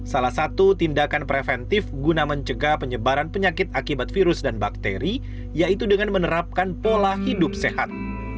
salah satu tindakan preventif guna mencegah penyebaran penyakit akibat virus dan bakteri yaitu dengan menerapkan pola hidup sehat